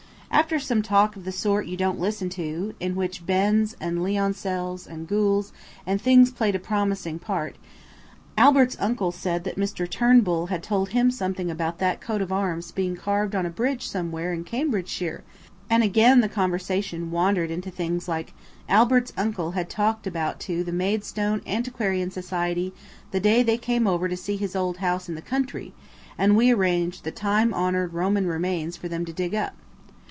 After some talk of the sort you don't listen to, in which bends and lioncels and gules and things played a promising part, Albert's uncle said that Mr. Turnbull had told him something about that coat of arms being carved on a bridge somewhere in Cambridgeshire, and again the conversation wandered into things like Albert's uncle had talked about to the Maidstone Antiquarian Society the day they came over to see his old house in the country and we arranged the time honoured Roman remains for them to dig up.